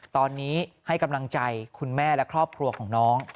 ตอนนี้ให้กำลังใจคุณแม่และครอบครัวของน้อง